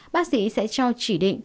bác sĩ sẽ cho chỉ định